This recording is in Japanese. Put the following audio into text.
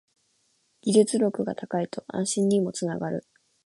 技術力が高いと安心にもつながる